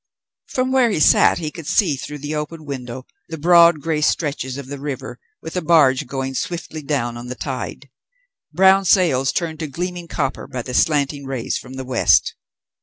From where he sat he could see, through the open window, the broad grey stretches of the river, with a barge going swiftly down on the tide; brown sails turned to gleaming copper by the slanting rays from the West.